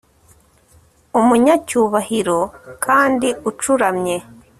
umunyacyubahiro kandi ucuramye